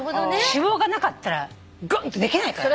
脂肪がなかったらグンッてできないから。